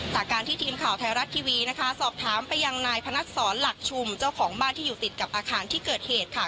จากการที่ทีมข่าวไทยรัฐทีวีสอบถามไปยังนายพนัทศรหลักชุมเจ้าของบ้านที่อยู่ติดกับอาคารที่เกิดเหตุ